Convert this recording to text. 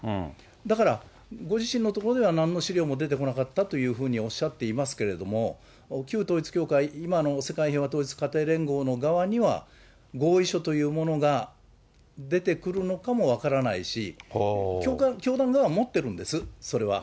だから、ご自身のところではなんの資料も出てこなかったというふうにおっしゃっていますけれども、旧統一教会、今の世界平和統一家庭連合の側には、合意書というものが出てくるのかも分からないし、教団側は持ってるんです、それは。